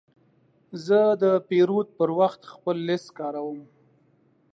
زه د پیرود پر وخت خپل لیست کاروم.